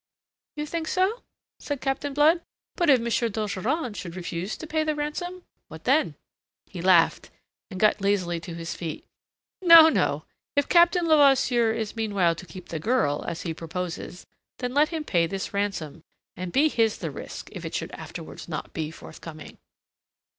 "You think so?" said Captain Blood. "But if M. d'Ogeron should refuse to pay the ransom? What then?" He laughed, and got lazily to his feet. "No, no. If Captain Levasseur is meanwhile to keep the girl, as he proposes, then let him pay this ransom, and be his the risk if it should afterwards not be forthcoming."